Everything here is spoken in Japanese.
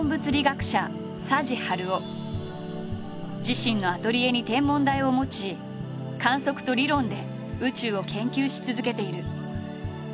自身のアトリエに天文台を持ち観測と理論で宇宙を研究し続けている。